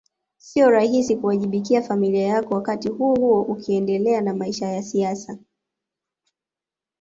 Sio rahisi kuwajibikia familia yako wakati huohuo ukiendelea na maisha ya siasa